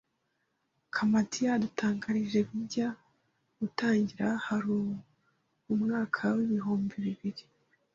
Kamadia yadutangarije bijya gutangira hari mu mwaka w’ibihumbi bibiri